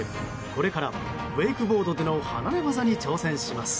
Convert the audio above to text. これからウェイクボードでの離れ業に挑戦します。